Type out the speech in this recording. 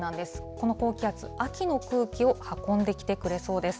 この高気圧、秋の空気を運んできてくれそうです。